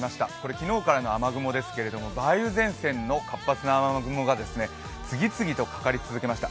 昨日からの雨雲ですけれども梅雨前線の活発な雨雲が次々とかかり続けました。